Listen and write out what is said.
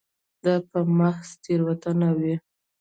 دا به محض تېروتنه وي.